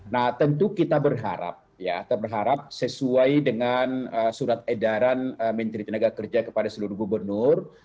nah tentu kita berharap ya kita berharap sesuai dengan surat edaran menteri tenaga kerja kepada seluruh gubernur